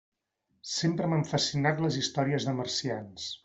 Sempre m'han fascinat les històries de marcians.